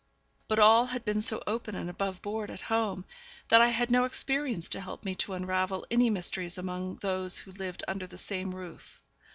But all had been so open and above board at home, that I had no experience to help me to unravel any mysteries among those who lived under the same roof.